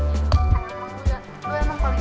kamu emang polis kan